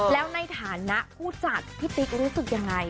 แล้วในฐานะผู้จัดพี่ติ๊กรู้สึกยังไง